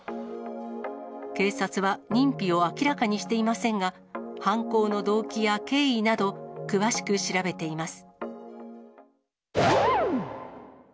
警察は認否を明らかにしていませんが、犯行の動機や経緯など、詳しく調べています。